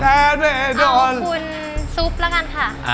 เอาคุณซุปแล้วกันค่ะ